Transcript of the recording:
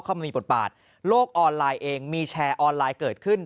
เขาไม่มีปลอดภัยโลกออนไลน์เองมีแชร์ออนไลน์เกิดขึ้น